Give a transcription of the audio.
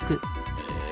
へえ。